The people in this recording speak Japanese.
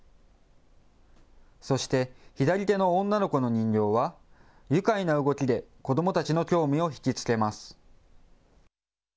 そして左手の女の子の人形は愉快な動きで子どもたちの興味を引き付けます